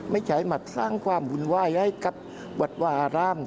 ไม่ใช่มาสร้างความวุ่นวายให้กับวัดวาอาราม